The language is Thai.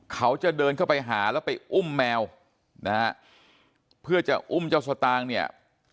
เขาจะเดินเข้าไปหาแล้วไปอุ้มแมวนะฮะเพื่อจะอุ้มเจ้าสตางค์เนี่ย